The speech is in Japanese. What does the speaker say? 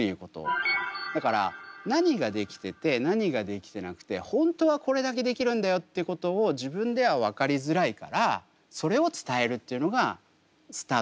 だから何ができてて何ができてなくて本当はこれだけできるんだよっていうことを自分では分かりづらいからそれを伝えるっていうのがスタートだったかなと思います。